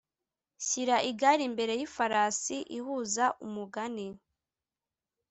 shira igare imbere yifarasi ihuza umugani